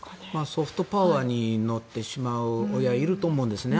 ソフトパワーに乗ってしまう親はいると思うんですね。